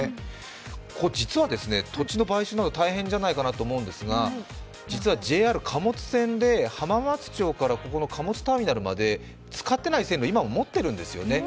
ここ実は土地の買収など大変じゃないかなと思うんですがＪＲ、貨物線で浜松町からここの貨物ターミナルまで使っていない線を今も持ってるんですよね。